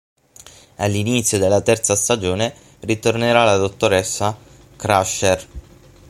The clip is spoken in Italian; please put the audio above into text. All'inizio della terza stagione ritornerà la dottoressa Crusher.